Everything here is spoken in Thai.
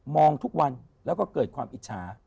องทุกวันแล้วก็เกิดความอิจฉา